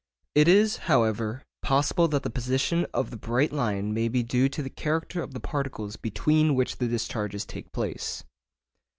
It is, however, possible that the position of the bright line may be due to the character of the particles between which the discharges take place.